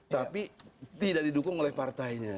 tapi tidak didukung oleh partainya